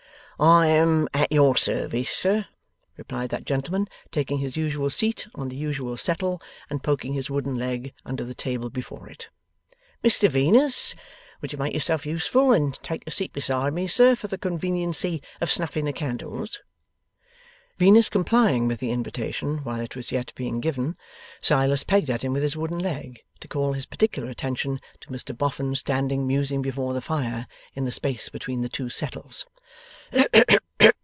'I am at your service, sir,' replied that gentleman, taking his usual seat on the usual settle, and poking his wooden leg under the table before it. 'Mr Venus, would you make yourself useful, and take a seat beside me, sir, for the conveniency of snuffing the candles?' Venus complying with the invitation while it was yet being given, Silas pegged at him with his wooden leg, to call his particular attention to Mr Boffin standing musing before the fire, in the space between the two settles.